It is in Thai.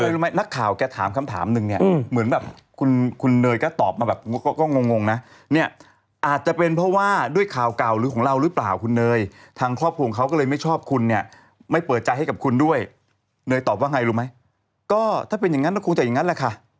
อ๋อนางมาจับด้วยแล้วนางว่ายังไงพี่สาวชื่อแจมพี่สาวชื่อแจมพี่สาวชื่อแจมพี่สาวชื่อแจมพี่สาวชื่อแจมพี่สาวชื่อแจมพี่สาวชื่อแจมพี่สาวชื่อแจมพี่สาวชื่อแจมพี่สาวชื่อแจมพี่สาวชื่อแจมพี่สาวชื่อแจมพี่สาวชื่อแจมพี่สาวชื่อแ